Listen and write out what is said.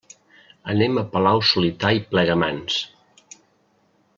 Anem a Palau-solità i Plegamans.